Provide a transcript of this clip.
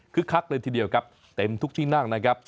คักเลยทีเดียวครับเต็มทุกที่นั่งนะครับ